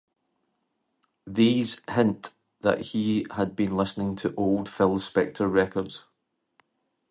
These hint that he had been listening to old Phil Spector records.